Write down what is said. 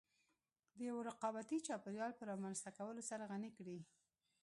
د يوه رقابتي چاپېريال په رامنځته کولو سره غني کړې.